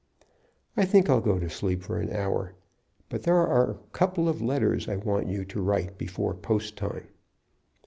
I think I'll go to sleep for an hour; but there are a couple of letters I want you to write before post time."